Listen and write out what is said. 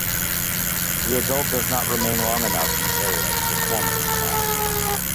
The adult does not remain long enough in the area to perform this task.